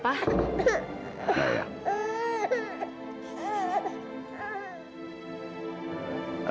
bagaimana bakal hasilnya